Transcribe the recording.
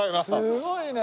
すごいね。